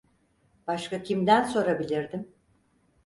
Başka kimden sorabilirdim?